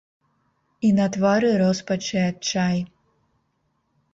І на твары роспач і адчай.